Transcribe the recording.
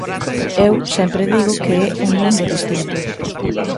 Eu sempre digo que é un mundo distinto.